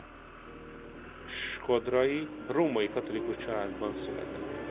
Shkodrai római katolikus családban született.